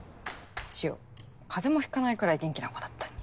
チヨ風邪もひかないくらい元気な子だったのに。